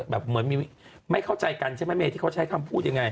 แบบเหมือนไม่เข้าใจกันใช่ไหมเมที่เขาใช้คำพูดอย่างไร